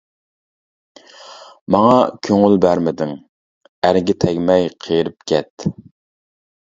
ماڭا كۆڭۈل بەرمىدىڭ، ئەرگە تەگمەي قېرىپ كەت.